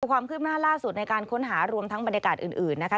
ผู้ความคุ้มมากล่าสุดในการค้นหารวมทั้งบรรายการอื่นนะคะ